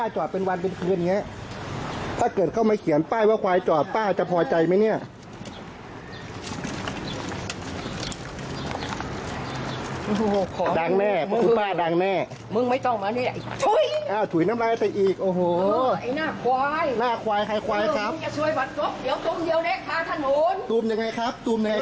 ตุ้มยังไงครับตุ้มยังไงครับ